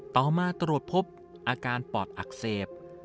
ต่อมาตรวจพบอาการปอดอักเสบ